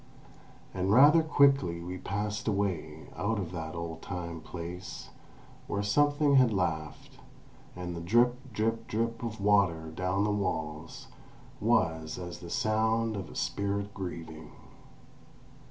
And rather quickly we passed away, out of that "old time place"; where something had laughed, and the drip, drip, drip of water down the walls was as the sound of a spirit grieving.